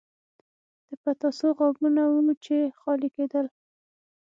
د پتاسو غابونه وو چې خالي کېدل به.